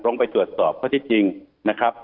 ไปตรวจสอบข้อที่จริงนะครับ